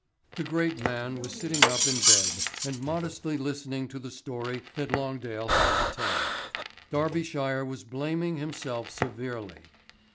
The great man was sitting up in bed and modestly listening to the story that Longdale had to tell. Darbyshire was blaming himself severely.